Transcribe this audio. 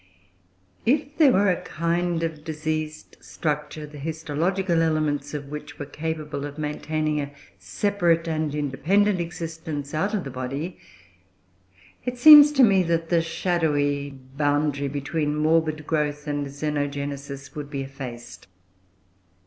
If there were a kind of diseased structure, the histological elements of which were capable of maintaining a separate and independent existence out of the body, it seems to me that the shadowy boundary between morbid growth and Xenogenesis would be effaced.